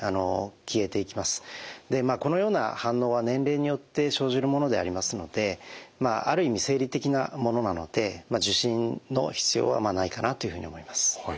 このような反応は年齢によって生じるものでありますのである意味生理的なものなので受診の必要はないかなというふうに思います。